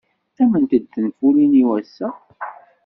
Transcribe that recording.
Qqiment-d tenfulin i wass-a?